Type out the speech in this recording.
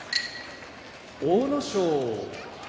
阿武咲